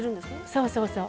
そうそうそう。